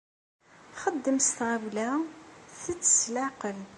Xeddem s tɣawla, ttett s leɛqel.